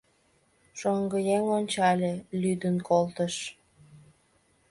Шоҥгыеҥ ончале — лӱдын колтыш!